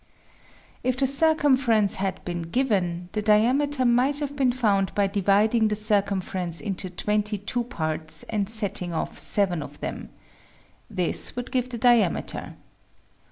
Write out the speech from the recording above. If the circumference had been given, the diameter might have been found by dividing the circumference into twenty two parts and setting off seven of them. This would give the diameter.